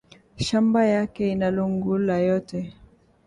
Shamba yake ina lungula yote